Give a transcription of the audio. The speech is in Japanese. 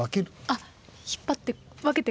あ引っ張って分けて。